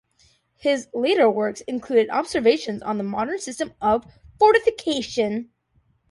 His later works included "Observations on the Modern System of Fortification".